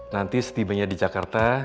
nanti setibanya di jakarta